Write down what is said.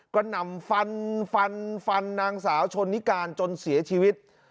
ก็นำฟันฟันฟันนางสาวชนนิการจนเสียชีวิต